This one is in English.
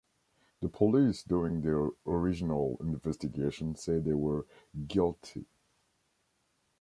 The police doing the original investigation say they were guilty.